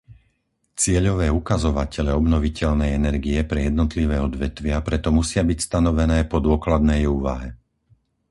Cieľové ukazovatele obnoviteľnej energie pre jednotlivé odvetvia preto musia byť stanovené po dôkladnej úvahe.